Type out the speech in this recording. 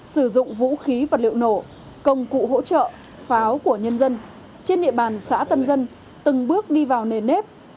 sử dụng vũ khí vật liệu nổ công cụ hỗ trợ pháo của nhân dân trên địa bàn xã tân dân từng bước đi vào nền nếp